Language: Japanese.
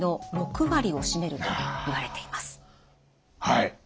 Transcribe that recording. はい。